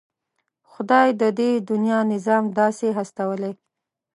خدای د دې دنيا نظام داسې هستولی.